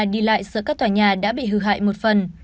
giữa các tòa nhà đã bị hư hại một phần